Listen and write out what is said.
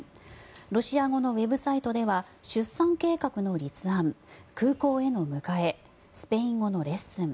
ロシア語のウェブサイトでは出産計画の立案空港への迎えスペイン語のレッスン